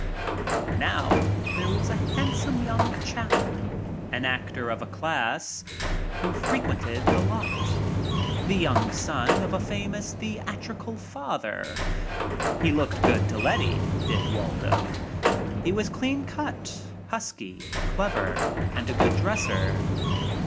40 THE GREAT LETTY Now there was a handsome young chap — an actor of a class — who frequented the lot— The young son of a famous theatrical father. He looked good to Letty, did Waldo. He was clean cut, husky, clever and a good dresser.